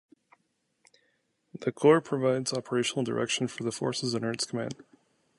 The corps provides operational direction for the forces under its command.